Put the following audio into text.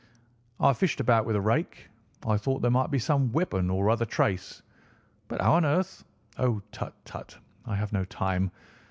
"I fished about with a rake. I thought there might be some weapon or other trace. But how on earth—" "Oh, tut, tut! I have no time!